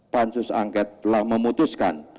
pansus angket telah memutuskan